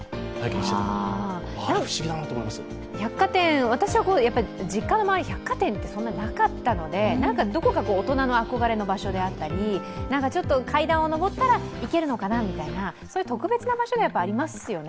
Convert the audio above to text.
私は百貨店、実家の周りにそんなになかったので、どこか大人の憧れの場所であったりなんかちょっと階段を上ったら行けるのかなみたいな、そういう特別な場所ですよね。